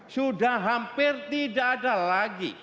sudah hampir tidak ada lagi